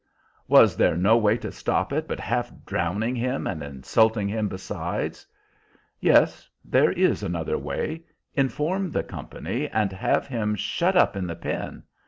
"Was there no way to stop it but half drowning him, and insulting him besides?" "Yes, there is another way; inform the company, and have him shut up in the Pen.